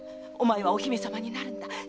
お前はお姫様になるんだ。